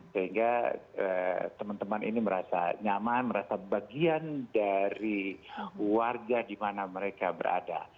sehingga teman teman ini merasa nyaman merasa bagian dari warga di mana mereka berada